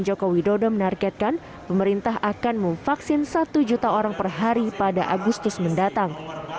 joko widodo menargetkan pemerintah akan memvaksin satu juta orang per hari pada agustus mendatang